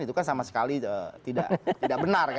itu kan sama sekali tidak benar